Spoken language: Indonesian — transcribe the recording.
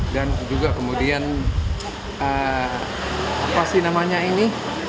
dan juga kemudian apa sih namanya ini